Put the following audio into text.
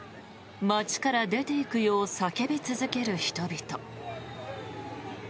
街から出ていくよう叫び続ける人々。